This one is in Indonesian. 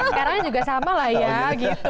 sekarang juga sama lah ya gitu